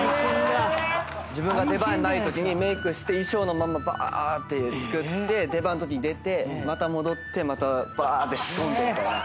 自分が出番ないときにメークして衣装のまんまばーって作って出番のとき出てまた戻ってばーって仕込んでみたいな。